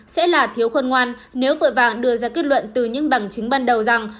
sẽ là thiếu khôn ngoan nếu vội vàng đưa ra kết luận từ những bằng chứng ban đầu rằng